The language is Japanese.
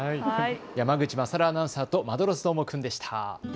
山口勝アナウンサーとマドロスどーもくんでした。